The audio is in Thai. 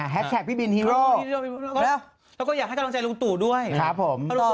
แฮชแชกพี่บินฮีโร่